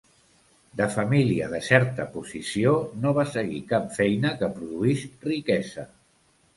De família de certa posició, no va seguir cap feina que produís riquesa.